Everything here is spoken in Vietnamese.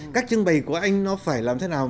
các trưng bày của anh nó phải làm thế nào